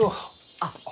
あっ。